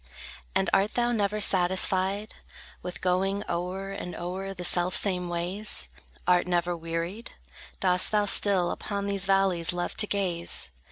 And art thou never satisfied With going o'er and o'er the selfsame ways? Art never wearied? Dost thou still Upon these valleys love to gaze?